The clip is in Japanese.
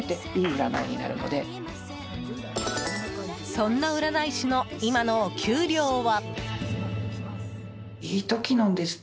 そんな占い師の今のお給料は。